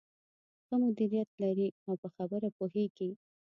ښه مديريت لري او په خبره پوهېږې.